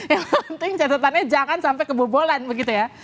yang penting catatannya jangan sampai kebobolan begitu ya